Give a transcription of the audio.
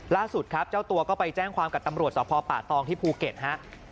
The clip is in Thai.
ล่าสุดครับเจ้าตัวก็ไปแจ้งความกับตำรวจสพป่าตองที่ภูเก็ตฮะ